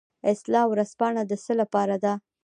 اصلاح ورځپاڼه د څه لپاره ده؟